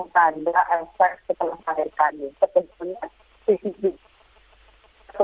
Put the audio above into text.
satu tanda efek setelah kelahirkan itu